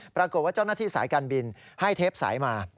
ปรากฏว่าเจ้าหน้าที่สายการบินให้เทปสายมา